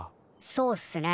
そうっすね。